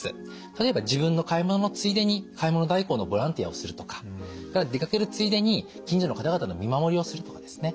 例えば自分の買い物のついでに買い物代行のボランティアをするとかそれから出かけるついでに近所の方々の見守りをするとかですね